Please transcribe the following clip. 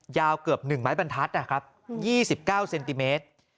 ยาวเกือบหนึ่งไม้บรรทัศน์นะครับยี่สิบเก้าเซนติเมตร